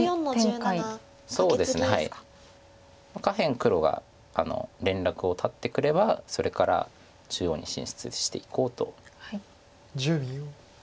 下辺黒が連絡を断ってくればそれから中央に進出していこうと。